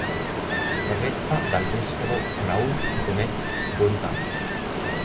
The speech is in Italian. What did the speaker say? È retta dal vescovo Raúl Gómez González.